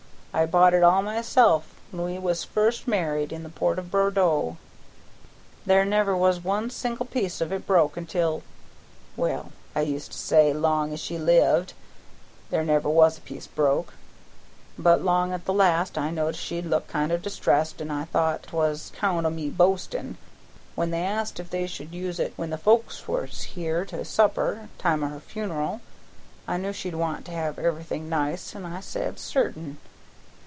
"I bought it all myself, when we was first married, in the port of Bordeaux. There never was one single piece of it broke until Well, I used to say, long as she lived, there never was a piece broke, but long at the last I noticed she'd look kind o' distressed, an' I thought 'twas 'count o' me boastin'. When they asked if they should use it when the folks was here to supper, time o' her funeral, I knew she'd want to have everything nice, and I said 'certain.'